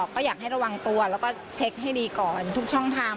ก็อยากให้ระวังตัวแล้วก็เช็คให้ดีก่อนทุกช่องทาง